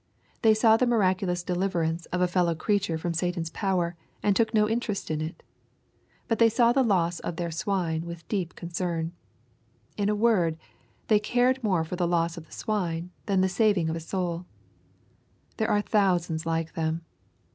They saw the miraculous deliverance of a fellow creature from Satan s power, and took no interest in it. But they saw the loss of their swine with deep concern. In a word, they cared more for the loss of swine, than the saving of a soul There are thousands like them.